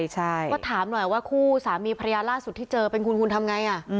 ก็ถามหน่อยว่าคู่สามีภรรยาล่าสุดที่เจอเป็นคุณคุณทำไง